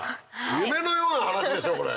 夢のような話でしょこれ。